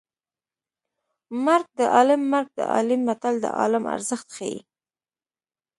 مرګ د عالیم مرګ د عالیم متل د عالم ارزښت ښيي